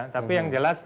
tapi yang jelas